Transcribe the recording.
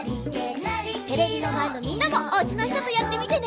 テレビのまえのみんなもおうちのひととやってみてね。